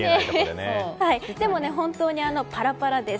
でも本当にパラパラです。